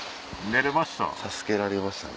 寝ました？